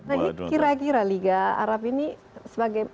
donald trump kira kira liga arab ini